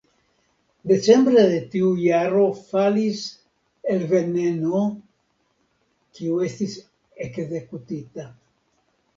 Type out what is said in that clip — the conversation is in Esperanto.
Decembre de tiu jaro falis "el Veneno", kiu estis ekzekutita.